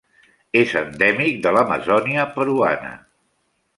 És endèmic de l'Amazònia peruana.